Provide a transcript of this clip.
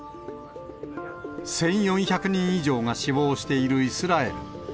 １４００人以上が死亡しているイスラエル。